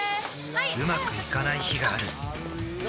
うまくいかない日があるうわ！